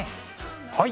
はい！